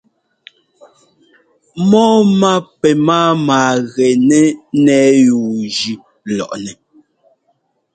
Mɔ́ɔmá pɛ máama gɛnɛ́ ńnɛ́ɛ yúujʉ́ lɔꞌnɛ.